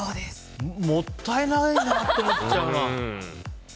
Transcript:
もったいないなって思っちゃうな。